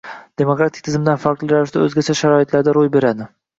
demokratik tizimdan farqli ravishda o‘zgacha sharoitlarda ro‘y beradi.